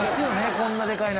こんなでかい鍋。